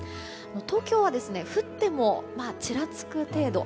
東京は降っても、ちらつく程度。